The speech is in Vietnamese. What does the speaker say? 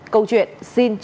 câu chuyện xin chuyển đổi